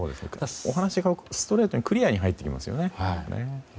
お話がストレートにクリアに入ってきますよね。